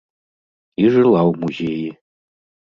І жыла ў музеі.